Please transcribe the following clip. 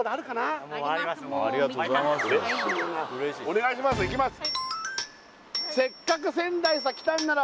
お願いしますいきます